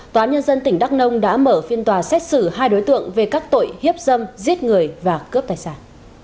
tòa án nhân dân tỉnh đắk nông đã mở phiên tòa xét xử hai đối tượng về các tội hiếp dâm giết người và cướp tài sản